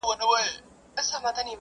چي دوستان راسره نه وي